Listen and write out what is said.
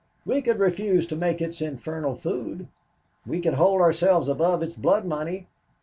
"We could refuse to make its infernal food. We could hold ourselves above its blood money.